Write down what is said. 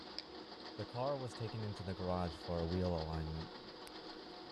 The car was taken into the garage for a Wheel Alignment.